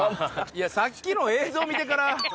いや、さっきの映像見てから。